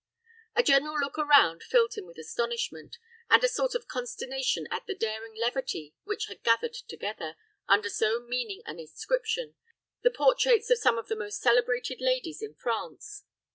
A general look around filled him with astonishment, and a sort of consternation at the daring levity which had gathered together, under so meaning an inscription, the portraits of some of the most celebrated ladies in France.